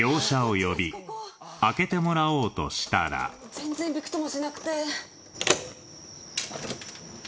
全然びくともしなくて。